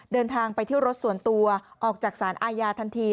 เดินทางไปเที่ยวรถส่วนตัวออกจากสารอาญาทันที